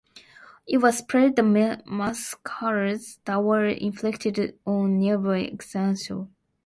It was spared the massacres that were inflicted on nearby Xanthos.